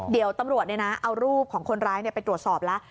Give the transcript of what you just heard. เดี๋ยวตำรวจเอารูปของคนร้ายไปตรวจสอบแล้ว